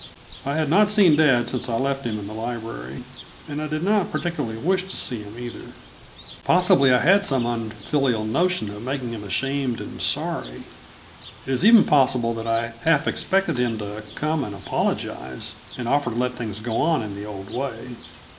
I had not seen dad since I left him in the library, and I did not particularly wish to see him, either. Possibly I had some unfilial notion of making him ashamed and sorry. It is even possible that I half expected him to come and apologize, and offer to let things go on in the old way.